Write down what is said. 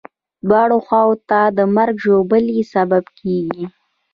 دواړو خواوو ته د مرګ ژوبلې سبب کېږي.